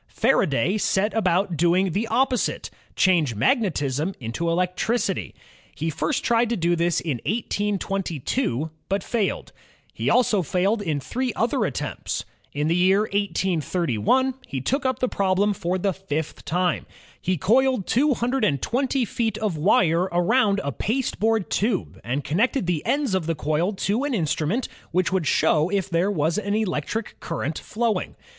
Faraday set about doing the opposite, change magnetism into electricity. He first tried to do this in 1822, but failed. He also failed in three other attempts. In the year 1831 he took up the problem for the fifth time. He coiled 220 feet of wire aroimd a pasteboard tube and connected the ends of the coil to an instrument which would show if there was an electric current flowing.